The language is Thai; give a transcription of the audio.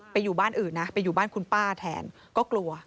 อยู่บ้านอื่นนะไปอยู่บ้านคุณป้าแทนก็กลัว